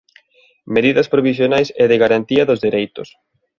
Medidas provisionais e de garantía dos dereitos.